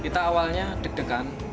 kita awalnya deg degan